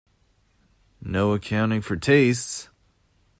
No accounting for tastes!